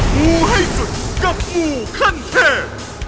งูให้สุดกับงูขั้นเทพ